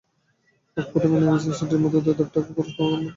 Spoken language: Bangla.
অকপটে মেনে নিয়েছেন, সিটির মতো দেদার টাকা খরচ করার ক্ষমতা নেই চেলসির।